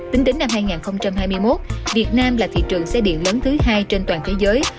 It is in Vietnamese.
tính đến năm hai nghìn hai mươi một việt nam là thị trường xe điện lớn thứ hai trên toàn thế giới